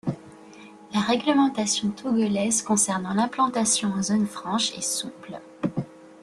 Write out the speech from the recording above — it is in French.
La réglementation togolaise concernant l’implantation en zone franche est souple.